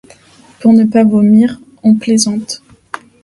Pour ne pas vomir, on plaisante.